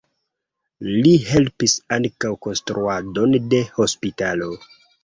Li helpis ankaŭ konstruadon de hospitalo.